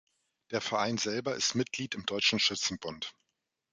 Der Verein selber ist Mitglied im Deutschen Schützenbund.